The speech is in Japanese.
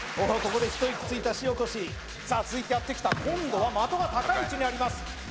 ここで一息ついた塩越さあ続いてやってきた今度は的が高い位置にあります